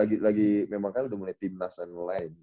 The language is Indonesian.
iya memang kan udah mulai tim nas and line